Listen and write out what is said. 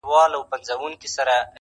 نې مني جاهل افغان ګوره چي لا څه کیږي؛